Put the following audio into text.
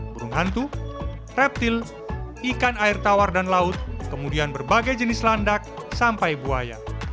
burung hantu reptil ikan air tawar dan laut kemudian berbagai jenis landak sampai buaya